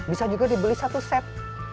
bisa juga dibeli satu set